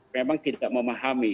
memang tidak memahami